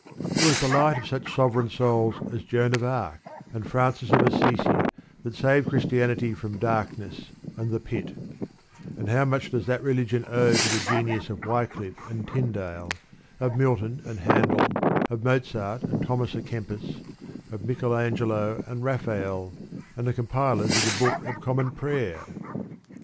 It was the light of such sovereign souls as Joan of Arc and Francis of Assisi that saved Christianity from darkness and the pit; and how much does that religion owe to the genius of Wyclif and Tyndale, of Milton and Handel, of Mozart and Thomas a Kempis, of Michael Angelo and Rafael, and the compilers of the Book of Common Prayer?